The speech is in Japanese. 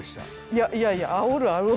いやいやあおるあおる。